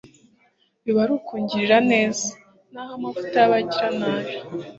biba ari ukungirira neza! naho amavuta y'abagiranabi